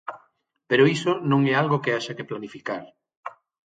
Pero iso non é algo que haxa que planificar.